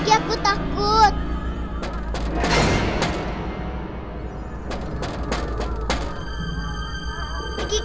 gak ada ngeliat